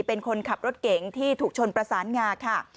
เป็นคนขับรถเก๋งที่ถูกชนประสานงาค่ะ